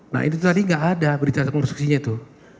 nah itu tadi nggak ada berita konstruksinya itu